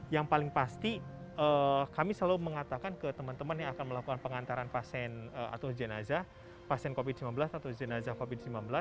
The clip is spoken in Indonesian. yang paling pasti kami selalu mengatakan ke teman teman yang akan melakukan pengantaran pasien atau jenazah pasien covid sembilan belas atau jenazah covid sembilan belas